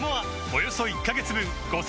およそ１カ月分